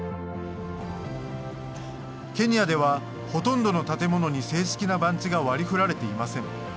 ケニアではほとんどの建物に正式な番地が割りふられていません。